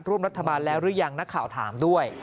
ร่วมรัฐบาลแล้วหรือยังนักข่าวถามด้วย